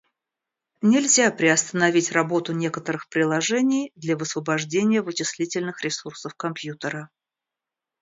Нельзя приостановить работу некоторых приложений для высвобождения вычислительных ресурсов компьютера